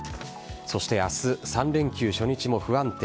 そして明日、３連休初日も不安定。